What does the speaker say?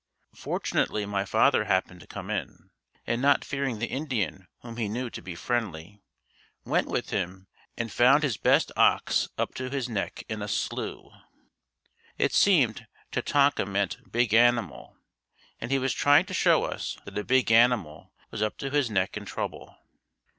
Fortunately my father happened to come in, and not fearing the Indian whom he knew to be friendly, went with him and found his best ox up to his neck in a slough. It seemed "Tetonka" meant big animal and he was trying to show us that a big animal was up to his neck in trouble.